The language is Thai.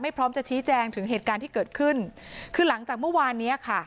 พร้อมจะชี้แจงถึงเหตุการณ์ที่เกิดขึ้นคือหลังจากเมื่อวานเนี้ยค่ะ